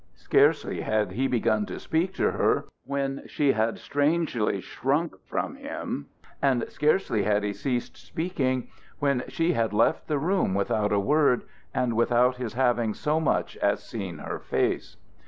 Scarcely had he begun to speak to her when she had strangely shrunk from him; and scarcely had he ceased speaking when she had left the room without a word, and without his having so much as seen her face.